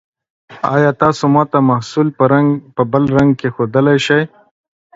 ایا تاسو ما ته محصول په بل رنګ کې ښودلی شئ؟